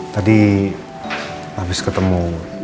tadi habis ketemu